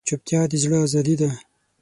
چوپتیا، د زړه ازادي ده.